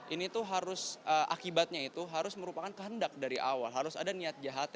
ini tuh harus akibatnya itu harus merupakan kehendak dari awal harus ada niat jahat